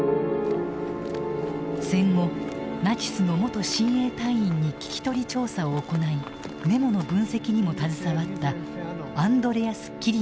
戦後ナチスの元親衛隊員に聞き取り調査を行いメモの分析にも携わったアンドレアス・キリアン氏。